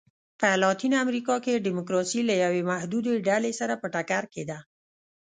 په لاتینه امریکا کې ډیموکراسي له یوې محدودې ډلې سره په ټکر کې ده.